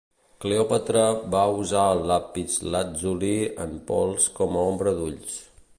Cleopatra va usar el lapislàtzuli en pols com a ombra d'ulls.